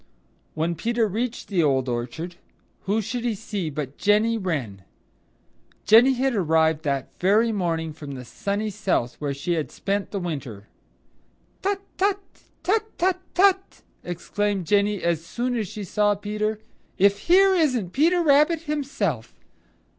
When Peter reached the Old Orchard, who should he see but Jenny Wren. Jenny had arrived that very morning from the Sunny South where she had spent the winter. "Tut, tut, tut, tut, tut!" exclaimed Jenny as soon as she saw Peter. "If here isn't Peter Rabbit himself!